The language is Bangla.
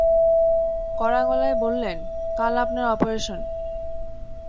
কড়া গলায় বললেন, কাল আপনার অপারেশন।